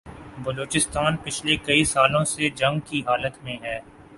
بلوچستان پچھلے کئی سالوں سے جنگ کی حالت میں ہے